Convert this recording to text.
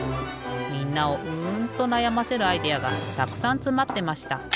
みんなをうんとなやませるアイデアがたくさんつまってました。